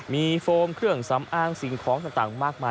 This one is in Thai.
มีโฟมเครื่องสำอางสิ่งของต่างมากมาย